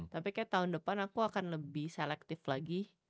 tapi kayak tahun depan aku akan lebih selektifkan